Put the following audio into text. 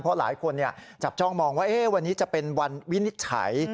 เพราะหลายคนจับจ้องมองว่าวันนี้จะเป็นวันวินิจฉัย